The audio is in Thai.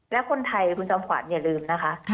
และคนไทยคุณจอมขวัญอย่าลืมนะคะ